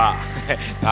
masa kita berdua